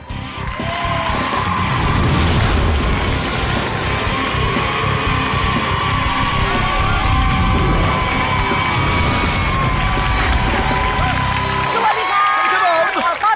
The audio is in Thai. สวัสดีครับ